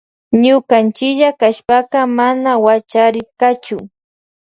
Ñukanchilla kashpaka mana wachariynkachu.